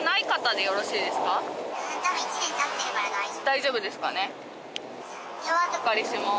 大丈夫ですかね。